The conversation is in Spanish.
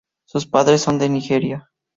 Sus padres son de Nigeria.